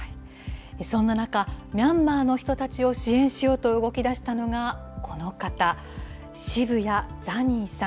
そんな中、ミャンマーの人たちを支援しようと動きだしたのがこの方、渋谷ザニーさん